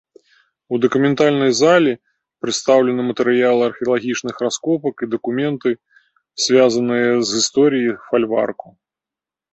У дакументальнай залі прадстаўлены матэрыялы археалагічных раскопак і дакументы, звязаныя з гісторыяй фальварку.